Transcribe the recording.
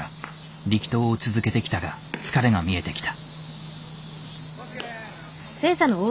力投を続けてきたが疲れが見えてきた。